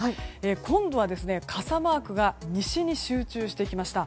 今度は傘マークが西に集中してきました。